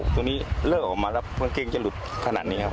ตัวนี้เลิกออกมาแล้วกางเกงจะหลุดขนาดนี้ครับ